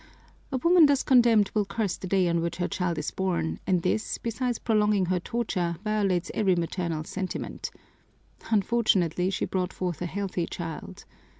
"A woman thus condemned will curse the day on which her child is born, and this, besides prolonging her torture, violates every maternal sentiment. Unfortunately, she brought forth a healthy child.